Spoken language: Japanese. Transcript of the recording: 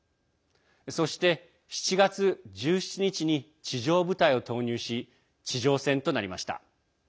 そして、７月１７日に地上部隊を投入し地上戦となりました。